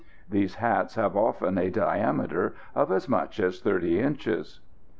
These hats have often a diameter of as much as 30 inches.